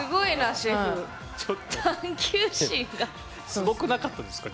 すごくなかったですか？